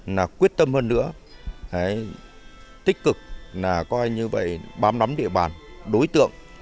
là quyết tâm hơn nữa tích cực bám nắm địa bàn đối tượng